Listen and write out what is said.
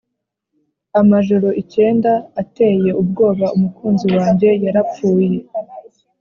amajoro icyenda ateye ubwoba umukunzi wanjye yarapfuye,